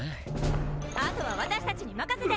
あとは私たちに任せて！